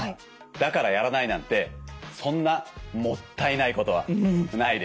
だからやらないなんてそんなもったいないことはないですよね。